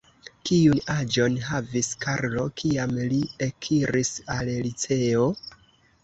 Kiun aĝon havis Karlo, kiam li ekiris al liceo?